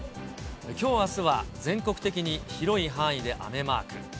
きょうあすは全国的に広い範囲で雨マーク。